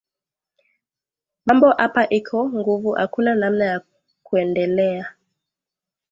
Mambo apa iko nguvu akuna namna ya kwendeleya